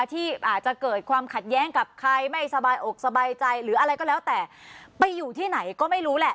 ที่อาจจะเกิดความขัดแย้งกับใครไม่สบายอกสบายใจหรืออะไรก็แล้วแต่ไปอยู่ที่ไหนก็ไม่รู้แหละ